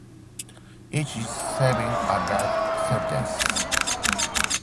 Each is serving a life sentence.